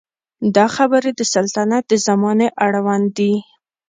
دا خبرې د سلطنت د زمانې اړوند دي.